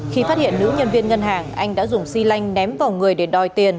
khi phát hiện nữ nhân viên ngân hàng anh đã dùng xi lanh ném vào người để đòi tiền